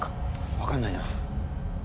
分かんないな。